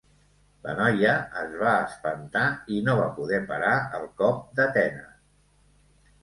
La noia es va espantar i no va poder parar el cop d'Atena.